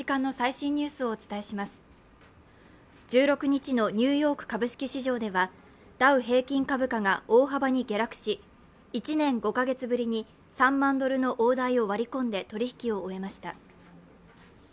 １６日のニューヨーク株式市場ではダウ平均株価が大幅に下落し、１年５カ月ぶりに３万ドルの大台を割り込んで取引を終えました。